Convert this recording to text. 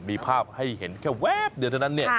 มีภาพให้เห็นแค่แวบเดียวเท่านั้นเนี่ย